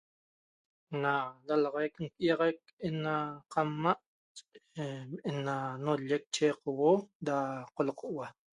Na dalaxaic nquia'axac ena qadma' ena nallec chegaqauo da qolaxaua